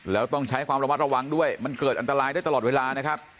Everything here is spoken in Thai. แล้วต้องใช้ความระมัดระวังด้วยมันเกิดอันตรายได้ตลอดเวลานะครับ